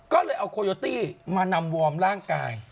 ก็เลยเอาโคโยตี้มานำวอร์มร่างกาย